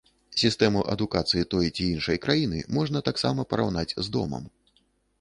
Сістэму адукацыі той ці іншай краіны можна таксама параўнаць з домам.